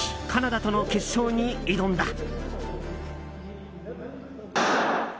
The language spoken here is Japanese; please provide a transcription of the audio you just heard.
カナダとの決勝に挑んだ。